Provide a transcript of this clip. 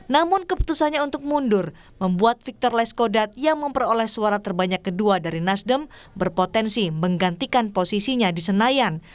namun keputusannya untuk mundur membuat victor leskodat yang memperoleh suara terbanyak kedua dari nasdem berpotensi menggantikan posisinya di senayan